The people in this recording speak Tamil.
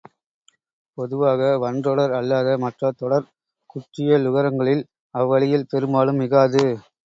பொதுவாக, வன்றொடர் அல்லாத மற்ற தொடர்க் குற்றியலுகரங்களில் அல்வழியில் பெரும்பாலும் மிகாது.